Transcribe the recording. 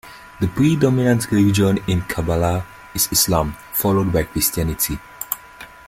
The predominant religion in Kabala is Islam, followed by Christianity.